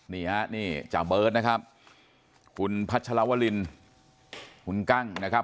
นี่ฮะนี่จาเบิร์ตนะครับคุณพัชรวรินคุณกั้งนะครับ